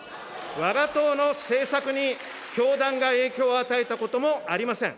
わが党の政策に、教団が影響を与えたこともありません。